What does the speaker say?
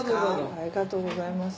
ありがとうございます。